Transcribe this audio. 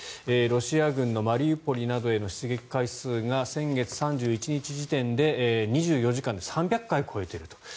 ロシア軍のマリウポリなどへの出撃回数が先月３１日時点で２４時間で３００回を超えていると。